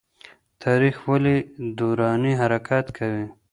تاريخ ولي دوراني حرکت کوي؟